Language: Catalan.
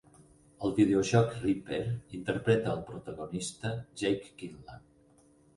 Al videojoc "Ripper", interpreta al protagonista Jake Quinlan.